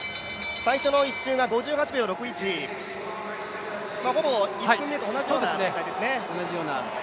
最初１周は５８秒６１ほぼ１組目と同じような展開ですね